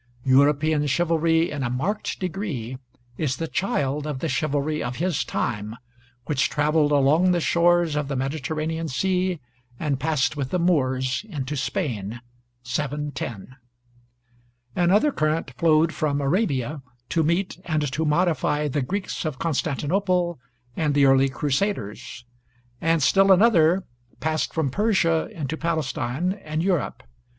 European chivalry in a marked degree is the child of the chivalry of his time, which traveled along the shores of the Mediterranean Sea and passed with the Moors into Spain (710). Another current flowed from Arabia to meet and to modify the Greeks of Constantinople and the early Crusaders; and still another passed from Persia into Palestine and Europe.